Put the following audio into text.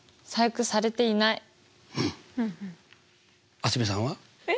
蒼澄さんは？えっ？